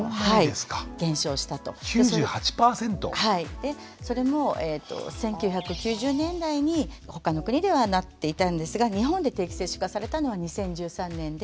でそれも１９９０年代にほかの国ではなっていたんですが日本で定期接種化されたのは２０１３年で。